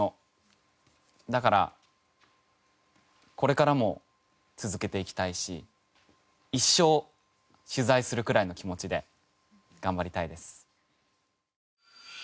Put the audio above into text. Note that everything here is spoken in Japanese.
だからこれからも続けていきたいし一生取材するくらいの気持ちで頑張りたいです。